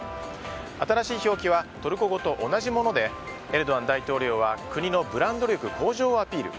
新しい表記はトルコ語と同じものでエルドアン大統領は国のブランド力向上をアピール。